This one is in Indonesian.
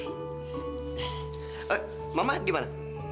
eh mama di mana